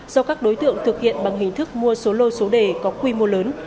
do các đối tượng thực hiện bằng hình thức mua số lô số đề có quy mô lớn